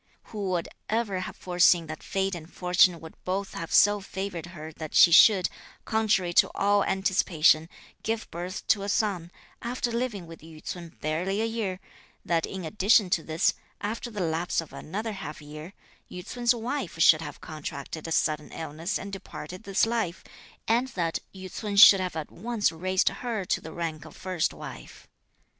Who would ever have foreseen that fate and fortune would both have so favoured her that she should, contrary to all anticipation, give birth to a son, after living with Yü ts'un barely a year, that in addition to this, after the lapse of another half year, Yü ts'un's wife should have contracted a sudden illness and departed this life, and that Yü ts'un should have at once raised her to the rank of first wife.